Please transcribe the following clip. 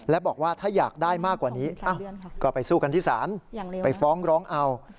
และบอกว่าถ้าอยากได้มากกว่านี้ก็ไปสู้กันที่ศาลไปฟ้องร้องเอา